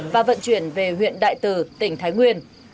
và vận chuyển về huyện đại từ tỉnh thái nguyên